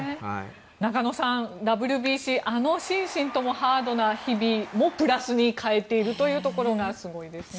中野さん、ＷＢＣあの心身ともハードな日々もプラスに変えているというところがすごいですね。